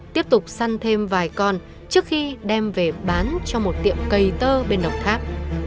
tiếp tục săn thêm vài con trước khi đem về bán cho một tiệm cây tơ bên đồng tháp